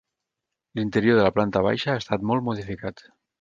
L'interior de la planta baixa ha estat molt modificat.